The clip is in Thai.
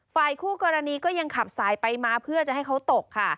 ฝ่ายคู่กรณีก็ยังขับสายไปมาเพื่อจะให้เขาตกค่ะ